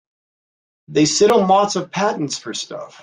They sit on lots of patents for stuff.